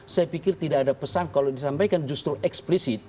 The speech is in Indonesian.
saya pikir tidak ada pesan kalau disampaikan justru eksplisit